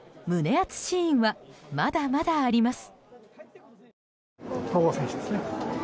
熱シーンはまだまだあります。